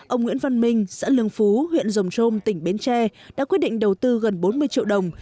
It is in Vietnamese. ông nguyễn văn minh xã lương phú huyện rồng trôm tỉnh bến tre đã quyết định đầu tư gần bốn mươi triệu đồng